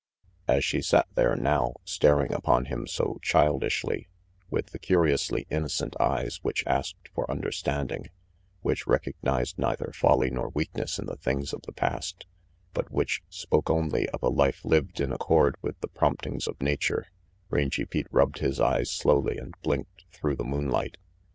As she sat there now, staring upon him so child 298 RANGY PETE ishly, with the curiously innocent eyes which asked for understanding, which recognized neither folly nor weakness in the things of the past, but which spoke only of a life lived in accord with the prompting of nature, Rangy Pete rubbed his eyes slowly and blinked through the moonlight.